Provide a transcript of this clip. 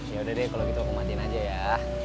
yaudah deh kalau gitu aku matiin aja ya